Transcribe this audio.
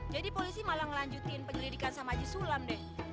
jadi polisi malah ngelanjutin penyelidikan sama haji sulam deh